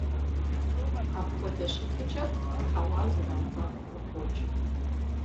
Апхуэдэ щытыкӏэр хьэуар зэрауцӀэпӀым къыхокӀ.